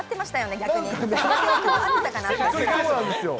逆にそうなんですよ。